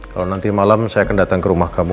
kalau nanti malam saya akan datang ke rumah kamu